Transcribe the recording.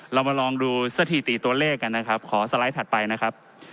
เรามาลองดูสถิติตัวเลขกันนะครับขอสไลด์ถัดไปนะครับ